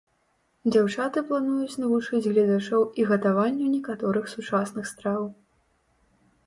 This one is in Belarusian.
Дзяўчаты плануюць навучыць гледачоў і гатаванню некаторых сучасных страў.